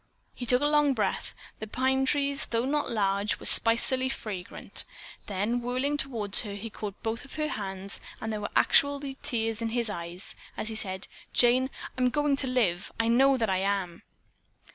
He took a long breath. The pine trees, though not large, were spicily fragrant. Then, whirling toward her, he caught both of her hands, and there were actually tears in his eyes as he said, "Jane, I'm going to live! I know that I am!"